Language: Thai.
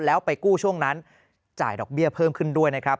แล้วไปกู้ช่วงนั้นจ่ายดอกเบี้ยเพิ่มขึ้นด้วยนะครับ